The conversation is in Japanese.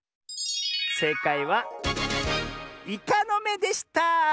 えいかいはイカのめでした！